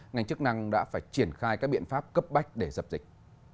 ngành chức năng đã phải triển khai các biện pháp cấp bách để dập dịch